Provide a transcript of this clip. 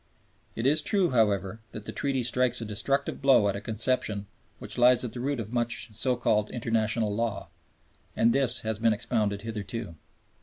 It is true, however, that the Treaty strikes a destructive blow at a conception which lies at the root of much of so called international law, as this has been expounded hitherto.